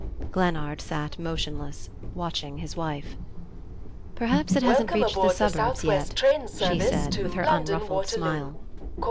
Glennard sat motionless, watching his wife. "Perhaps it hasn't reached the suburbs yet," she said, with her unruffled smile.